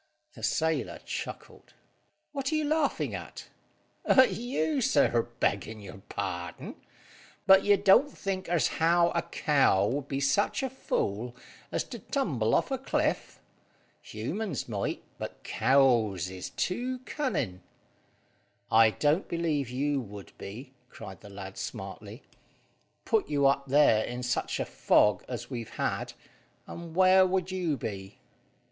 The sailor chuckled. "What are you laughing at?" "At you, sir, beggin' your pardon. But you don't think as how a cow would be such a fool as to tumble off a cliff. Humans might, but cows is too cunning." "I don't believe you would be," cried the lad smartly. "Put you up there in such a fog as we've had, and where would you be?"